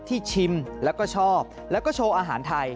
ชิมแล้วก็ชอบแล้วก็โชว์อาหารไทย